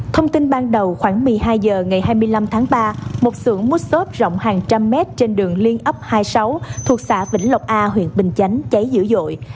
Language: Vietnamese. thông tin ban đầu khoảng một mươi hai h ngày hai mươi năm tháng ba một sưởng mút xốp rộng hàng trăm mét trên đường liên ấp hai mươi sáu thuộc xã vĩnh lộc a huyện bình chánh cháy dữ dội